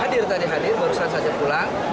hadir tadi hadir barusan saja pulang